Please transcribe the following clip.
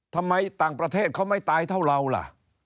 ทำไมต่างประเทศเขาไม่ตายเท่าเราล่ะ